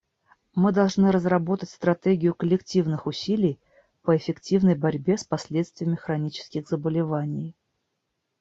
Мы должны разработать стратегию коллективных усилий по эффективной борьбе с последствиями хронических заболеваний.